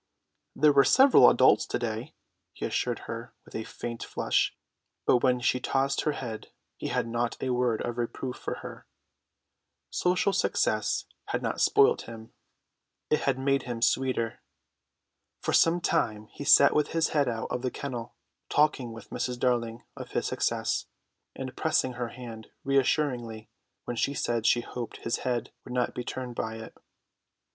"There were several adults to day," he assured her with a faint flush; but when she tossed her head he had not a word of reproof for her. Social success had not spoilt him; it had made him sweeter. For some time he sat with his head out of the kennel, talking with Mrs. Darling of this success, and pressing her hand reassuringly when she said she hoped his head would not be turned by it.